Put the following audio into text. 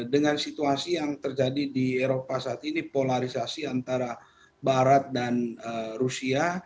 dengan situasi yang terjadi di eropa saat ini polarisasi antara barat dan rusia